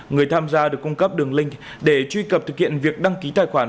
người tham gia được cung cấp đường link để truy cập thực hiện việc đăng ký tài khoản